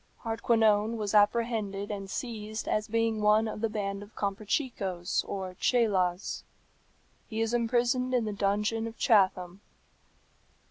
Hardquanonne was apprehended and seized as being one of the band of Comprachicos or Cheylas. He is imprisoned in the dungeon of Chatham.